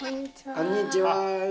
こんにちは。